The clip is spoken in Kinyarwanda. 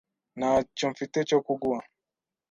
Ntacyo mfite cyo kuguha.